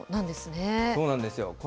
そうなんですよ。